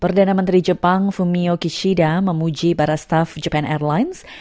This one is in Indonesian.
perdana menteri jepang fumio kishida memuji para staf jepan airlines